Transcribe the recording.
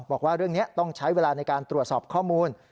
บอกว่าเรื่องนี้ต้องใช้เวลาในการตรวจสอบข้อมูล